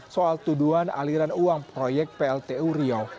soal tuduhan aliran uang proyek plt uriau